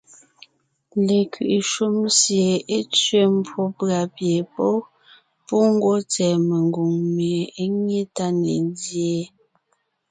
Lekwiʼi shúm sie é tsẅé mbwó pʉ̀a pie pɔ́ pú ngwɔ́ tsɛ̀ɛ mengwòŋ mie é nyé tá ne nzyéen.